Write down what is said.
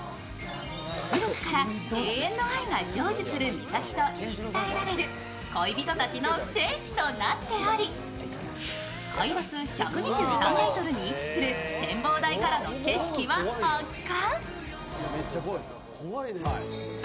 古くから永遠の愛が成就する岬と言い伝えられる恋人たちの聖地となっており、海抜１２３ｍに位置する展望台からの景色は圧巻。